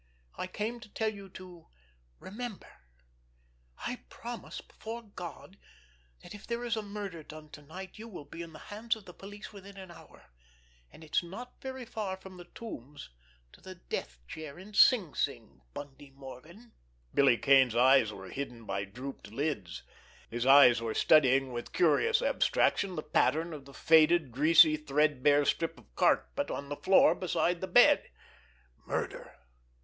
I came to tell you to—remember! I promise, before God, that if there is murder done to night you will be in the hands of the police within an hour. And it's not very far from the Tombs to the death chair in Sing Sing—Bundy Morgan." Billy Kane's eyes were hidden by drooped lids. His eyes were studying with curious abstraction the pattern of the faded, greasy, threadbare strip of carpet on the floor beside the bed. Murder!